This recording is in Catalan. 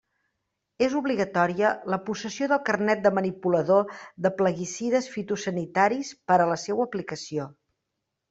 És obligatòria la possessió del carnet de manipulador de plaguicides fitosanitaris per a la seua aplicació.